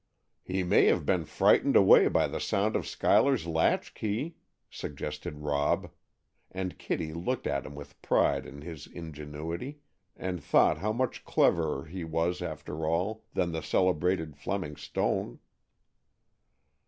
"He may have been frightened away by the sound of Schuyler's latch key," suggested Rob, and Kitty looked at him with pride in his ingenuity, and thought how much cleverer he was, after all, than the celebrated Fleming Stone.